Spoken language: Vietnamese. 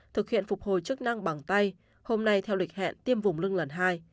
thực hiện phục hồi chức năng bằng tay hôm nay theo lịch hẹn tiêm vùng lưng lần hai